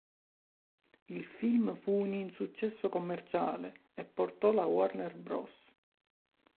Il film fu un insuccesso commerciale e portò la Warner Bros.